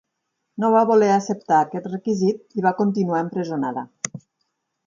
No va voler acceptar aquest requisit i va continuar empresonada.